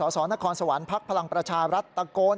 สนครสวรรค์พักพลังประชารัฐตะโกน